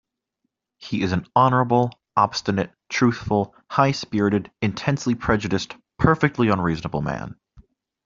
He is an honourable, obstinate, truthful, high-spirited, intensely prejudiced, perfectly unreasonable man.